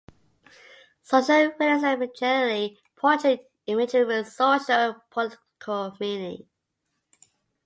Social realism generally portrayed imagery with socio-political meaning.